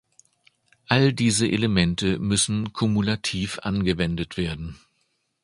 All diese Elemente müssen kumulativ angewendet werden.